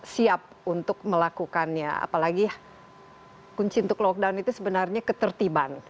siap untuk melakukannya apalagi kunci untuk lockdown itu sebenarnya ketertiban